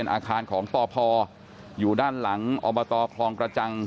อาคารของปพอยู่ด้านหลังอบตคลองกระจัง